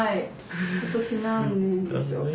今年何年でしょうか？